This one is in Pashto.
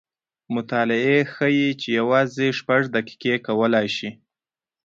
مطالعې ښیې چې یوازې شپږ دقیقې کولی شي